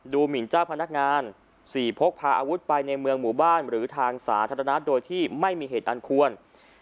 หมินเจ้าพนักงาน๔พกพาอาวุธไปในเมืองหมู่บ้านหรือทางสาธารณะโดยที่ไม่มีเหตุอันควร